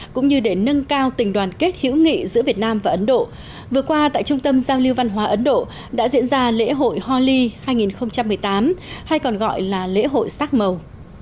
cũng như để nâng cao tình đoàn kết hữu nghị giữa việt nam và ấn độ vừa qua tại trung tâm giao lưu văn hóa ấn độ đã diễn ra lễ hội holi hai nghìn một mươi tám hay còn gọi là lễ hội sắc màu